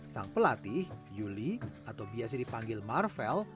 sang pelatih yuli atau biasa dipanggil marvel